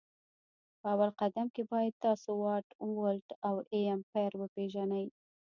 په اول قدم کي باید تاسو واټ ولټ او A امپري وپيژني